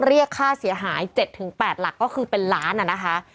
เรียกค่าเสียหาย๗๘หลักก็คือเป็นล้านนะคะ